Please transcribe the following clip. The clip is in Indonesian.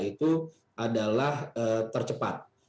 itu adalah tercepat